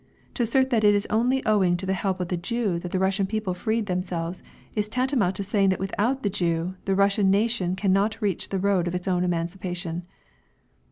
To assert that it is only owing to the help of the Jew that the Russian people freed themselves is tantamount to saying that without the Jew, the Russian nation can not reach the road of its own emancipation.